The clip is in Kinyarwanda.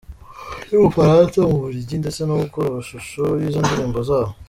cy'Ubufaransa ,mu Bubuligi ndetse no gukora amashusho y'izo ndirimbo zabo.